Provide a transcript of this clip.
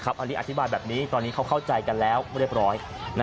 อันนี้อธิบายแบบนี้ตอนนี้เขาเข้าใจกันแล้วเรียบร้อย